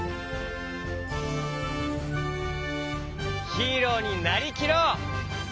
ヒーローになりきろう！